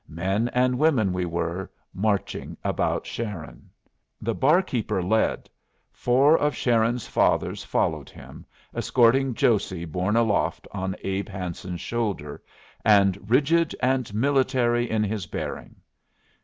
Men and women we were, marching about Sharon. The barkeeper led; four of Sharon's fathers followed him, escorting Josey borne aloft on Abe Hanson's shoulder, and rigid and military in his bearing.